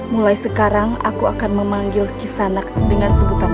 mulai sekarang aku akan memanggil kisanak dengan sebutan